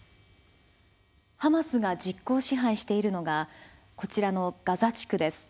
ハマスが実効支配しているのがこちらのガザ地区です。